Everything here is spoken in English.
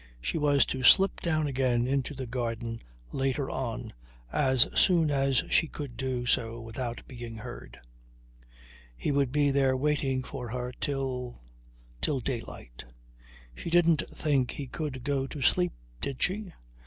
She was to slip down again into the garden later on, as soon as she could do so without being heard. He would be there waiting for her till till daylight. She didn't think he could go to sleep, did she?